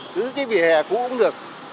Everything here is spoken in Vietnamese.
cứ cái vỉa hè cũ cũng được